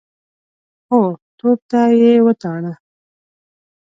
هو، توپ ته يې وتاړه.